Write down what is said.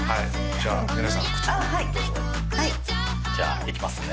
じゃあいきますね。